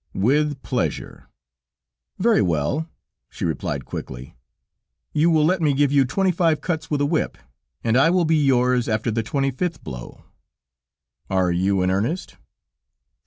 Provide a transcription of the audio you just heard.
"With pleasure." "Very well," she replied quickly. "You will let me give you twenty five cuts with a whip, and I will be yours after the twenty fifth blow." "Are you in earnest?"